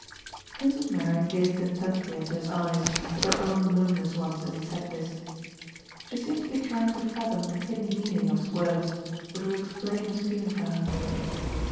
Princess Mary gazed intently into his eyes with her own luminous ones as he said this. She seemed to be trying to fathom the hidden meaning of his words which would explain his feeling for her.